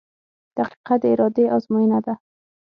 • دقیقه د ارادې ازموینه ده.